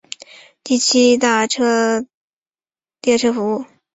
第七大道车站列车服务。